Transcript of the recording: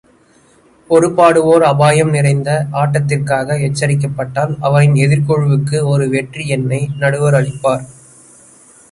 ஒரு பாடுவோர் அபாயம் நிறைந்த ஆட்டத்திற்காக எச்சரிக்கப்பட்டால் அவரின் எதிர்க்குழுவுக்கு ஒரு வெற்றி எண்ணை நடுவர் அளிப்பார்.